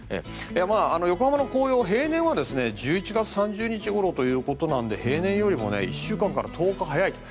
横浜の紅葉、平年は１１月３０日ごろということで平年よりも１週間から１０日早いと。